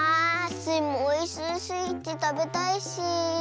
スイもおいしいスイーツたべたいし。